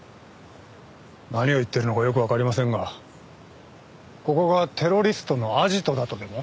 何を言っているのかよくわかりませんがここがテロリストのアジトだとでも？